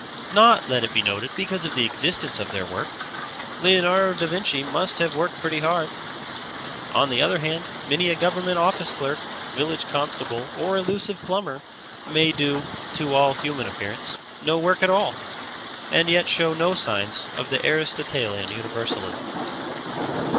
Not, let it be noted, because of the existence of their work. Leonardo da Vinci must have worked pretty hard; on the other hand, many a government office clerk, village constable or elusive plumber may do (to all human appearance) no work at all, and yet show no signs of the Aristotelian universalism.